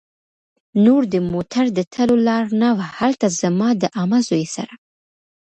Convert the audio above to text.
نور د موټر د تلو لار نه وه. هلته زما د عمه زوی سره